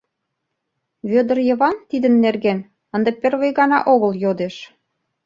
Вӧдыр Йыван тидын нерген ынде первый гана огыл йодеш.